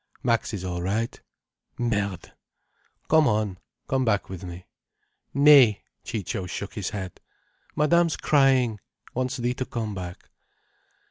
"Max is all right." "Merde!" "Come on, come back with me." "Nay." Ciccio shook his head. "Madame's crying. Wants thee to come back."